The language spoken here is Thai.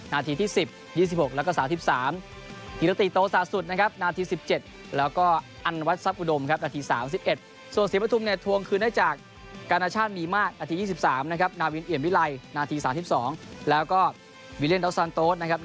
นาทีที่๑๐๒๖แล้วก็สาวที๓ตีละตีโตสาสุดนาที๑๗แล้วก็อันวัดสับอุดมนาที๓๑ส่วนศีวภัทธุมที่ทวงคืนได้จากการชาติมีมาตรนาที๒๓นาวินเอียมวิไลน์นาที๓๒แล้วก็วิเลียนดาวซานโต๊ะนาที๓๕